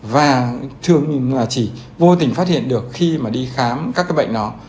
và thường chỉ vô tình phát hiện được khi mà đi khám các cái bệnh đó